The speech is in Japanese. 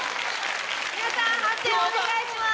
皆さん判定をお願いします。